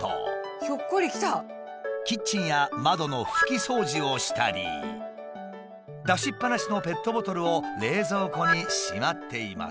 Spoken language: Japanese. キッチンや窓の拭き掃除をしたり出しっぱなしのペットボトルを冷蔵庫にしまっています。